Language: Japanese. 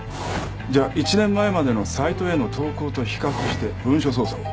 じゃあ１年前までのサイトへの投稿と比較して文書捜査を。